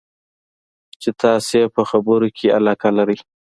چې تاسې یې په خبرو کې علاقه لرئ.